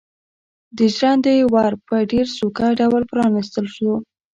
د ژرندې ور په ډېر سوکه ډول پرانيستل شو.